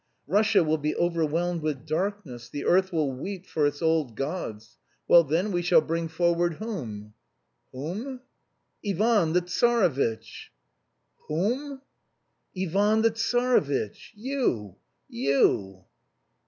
Russia will be overwhelmed with darkness, the earth will weep for its old gods.... Well, then we shall bring forward... whom?" "Whom?" "Ivan the Tsarevitch." "Who m?" "Ivan the Tsarevitch. You! You!"